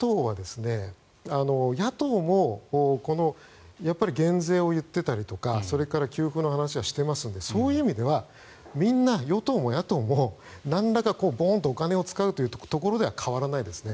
野党も減税を言っていたりとかそれから給付の話はしていますのでそういう意味ではみんな、与党も野党もなんらかボンとお金を使うというところでは変わらないですね。